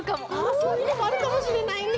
そういうのもあるかもしれないね。